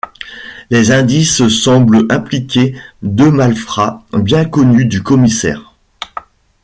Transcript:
Les indices semblent impliquer deux malfrats bien connus du commissaire.